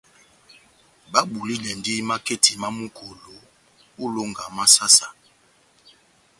Babulidɛndi maketi má Mukolo ó ilonga má saha-saha.